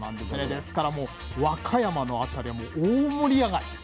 ですからもう和歌山の辺りはもう大盛り上がり。